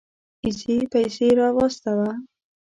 اېزي پيسه راواستوه.